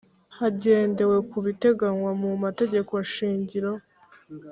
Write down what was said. hagendewe ku biteganywa mu mategeko shingiro.